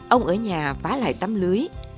ông ở nhà phá lại tấm lưới